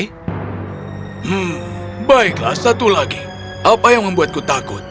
hmm baiklah satu lagi apa yang membuatku takut